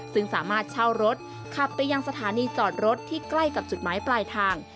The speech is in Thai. ซึ่งสามารถเช่ารถขับไปยังสถานีจอดรถที่ใกล้กับจุดหมายปลายทาง